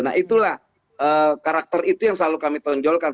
nah itulah karakter itu yang selalu kami tonjolkan